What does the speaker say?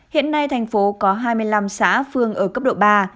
hiện nay thành phố có hai mươi năm xã phương ở cấp độ ba